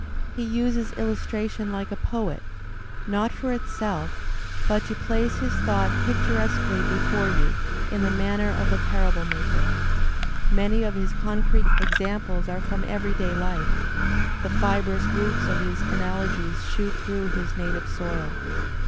He uses illustration like a poet, not for itself, but to place his thought picturesquely before you. Digitized by Google EMERSON 73 in the maimer of the parable maker. Many of his concrete examples are from e very day life; the fibrous roots of his analogies shoot through his native soil.